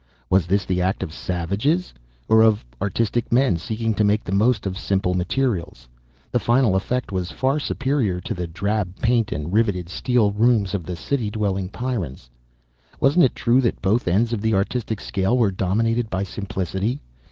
Was this the act of savages or of artistic men seeking to make the most of simple materials? The final effect was far superior to the drab paint and riveted steel rooms of the city dwelling Pyrrans. Wasn't it true that both ends of the artistic scale were dominated by simplicity?